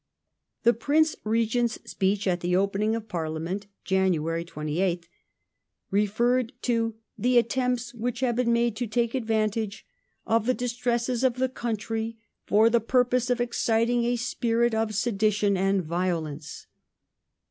The Prince Regent's speech at the opening of Parliament (Jan. 28th) referred to " the attempts which have been made to take advantage of the distresses of the country for the purpose of excit ing a spirit of sedition and violence